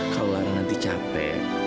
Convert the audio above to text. kalau lara nanti capek